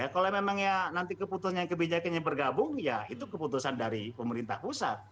kalau memang ya nanti keputusan kebijakannya bergabung ya itu keputusan dari pemerintah pusat